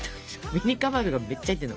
ミニかまどがめっちゃ入ってるの。